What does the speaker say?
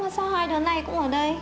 sao hai đứa này cũng ở đây